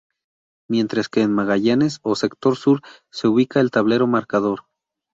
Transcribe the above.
Mientras que en Magallanes o sector sur se ubica el tablero marcador.